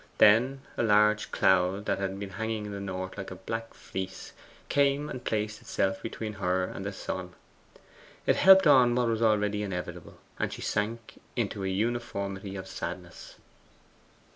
Then a large cloud, that had been hanging in the north like a black fleece, came and placed itself between her and the sun. It helped on what was already inevitable, and she sank into a uniformity of sadness.